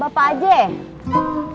bapak aja ya